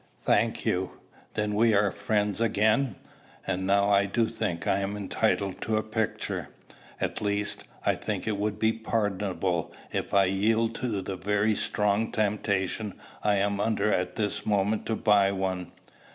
"Thank you. Then we are friends again. And now I do think I am entitled to a picture, at least, I think it will be pardonable if I yield to the very strong temptation I am under at this moment to buy one.